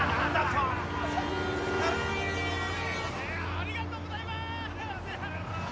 ありがとうございます！